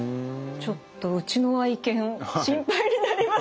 ちょっとうちの愛犬心配になりましたよね。